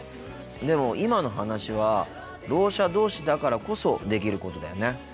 でも今の話はろう者同士だからこそできることだよね。